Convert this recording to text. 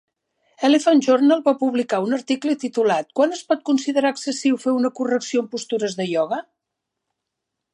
"Elephant Journal" va publicar un article titulat "Quan és pot considerar excessiu fer una correcció en postures de ioga?"